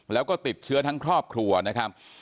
แล้วก็ติดเชื้อทั้งครอบครัวนะครับ